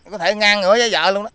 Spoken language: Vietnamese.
có thể ngang ngửi với vợ luôn